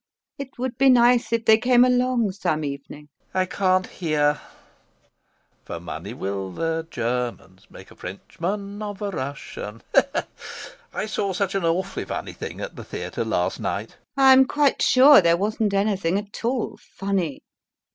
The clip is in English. It would be nice if they came along some evening. LOPAKHIN. [Listens] I can't hear.... [Sings quietly] "For money will the Germans make a Frenchman of a Russian." I saw such an awfully funny thing at the theatre last night. LUBOV. I'm quite sure there wasn't anything at all funny.